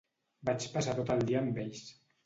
Vaig passar tot el dia amb ells.